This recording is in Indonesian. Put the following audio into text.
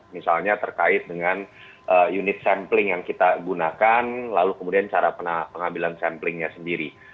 misalnya terkait dengan unit sampling yang kita gunakan lalu kemudian cara pengambilan samplingnya sendiri